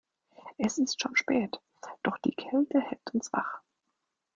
Es ist schon spät, doch die Kälte hält uns wach.